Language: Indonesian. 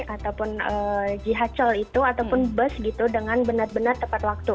ataupun jihacle itu ataupun bus gitu dengan benar benar tepat waktu